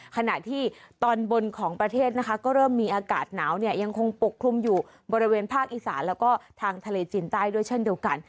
ขณะที่ตอนบนของประเทศนะคะก็เริ่มมีอากาศหนาวเนี่ยยังคงปกคลุมอยู่บริเวณภาคอีสานแล้วก็ทางทะเลจีนใต้ด้วยเช่นเดียวกัน